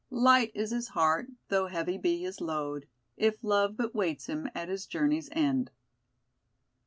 Light is his heart, though heavy be his load, If love but waits him at his journey's end."